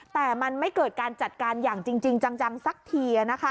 แต่มันไม่เกิดการจัดการอย่างจริงจังสักที